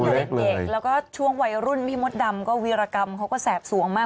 เด็กแล้วก็ช่วงวัยรุ่นพี่มดดำก็วีรกรรมเขาก็แสบสวงมาก